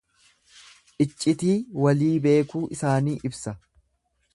Iccitii walii beekuu isaanii ibsa.